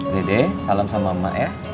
dede salam sama emak ya